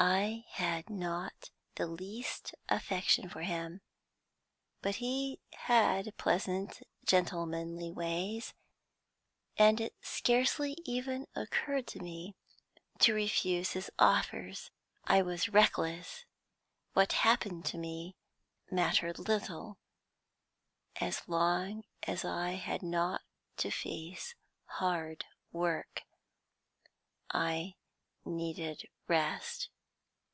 "I had not the least affection for him, but he had pleasant, gentlemanly ways, and it scarcely even occurred to me to refuse his offers. I was reckless; what happened to me mattered little, as long as I had not to face hard work. I needed rest.